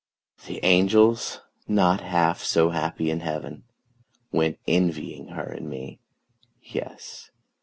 The angels, not half so happy in heaven, Went envying her and me Yes!